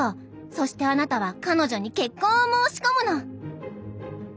そしてあなたは彼女に結婚を申し込むの」。